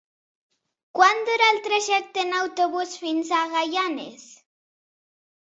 Quant dura el trajecte en autobús fins a Gaianes?